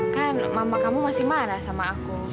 kan mama kamu masih marah sama aku